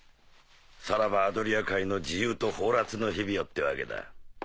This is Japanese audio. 「さらばアドリア海の自由と放埓の日々よ」ってわけだ。